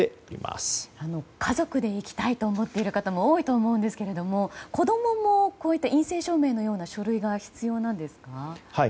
家族で行きたいと思っている方も多いと思うんですが子供もこういった陰性証明のような書類が必要なんですか？